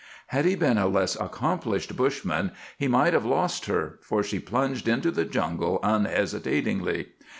Had he been a less accomplished bushman he might have lost her, for she plunged into the jungle unhesitatingly.